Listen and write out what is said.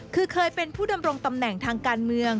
คือเคยเป็นผู้ดำรงตำแหน่งทางการเมือง